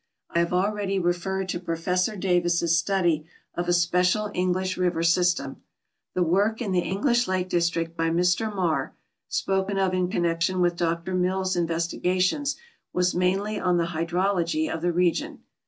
I have already referred to Professor Davis' study of a special English river system. The work in the En glish lake district by Mr Marr, spoken of in connection with Dr Mill's investigations, was mainly on the hydrology of the region.